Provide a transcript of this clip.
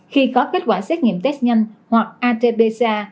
khi có kết quả xét nghiệm test nhanh hoặc atbc